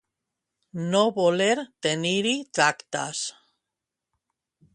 No voler tenir-hi tractes.